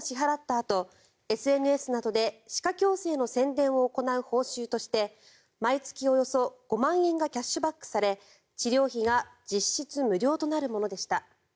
あとＳＮＳなどで歯科矯正の宣伝を行う報酬として毎月およそ５万円がキャッシュバックされ治療費が実質無料となるものでした。